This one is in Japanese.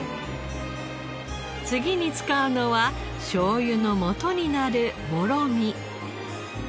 次に使うのはしょうゆのもとになるもろみ。